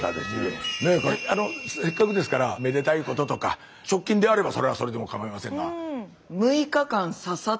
せっかくですからめでたいこととか直近であればそれはそれでも構いませんが。